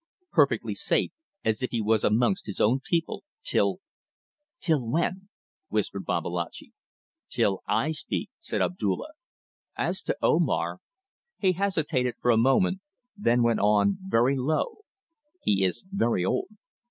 Perfectly safe as if he was amongst his own people till ..." "Till when?" whispered Babalatchi. "Till I speak," said Abdulla. "As to Omar." He hesitated for a moment, then went on very low: "He is very old."